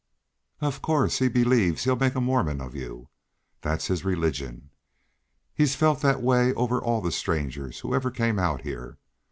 "Of course he believes he'll make a Mormon of you. That's his religion. He's felt that way over all the strangers who ever came out here.